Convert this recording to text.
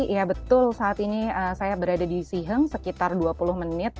ya betul saat ini saya berada di siheng sekitar dua puluh menit